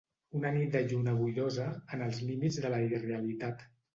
Una nit de lluna boirosa, en els límits de la irrealitat.